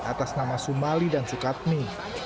atas nama sumali dan sukatmi